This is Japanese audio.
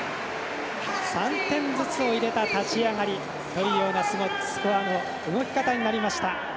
３点ずつ入れた立ち上がりというスコアの動き方になりました。